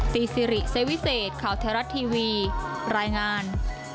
ซีซิริเซวิเศษข่าวไทยรัฐทีวีรายงาน